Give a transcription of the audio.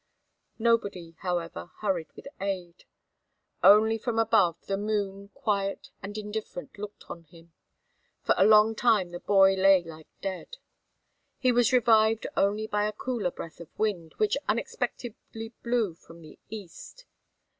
Nobody, however, hurried with aid. Only from above, the moon, quiet and indifferent, looked on him. For a long time the boy lay like dead. He was revived only by a cooler breath of wind, which unexpectedly blew from the east.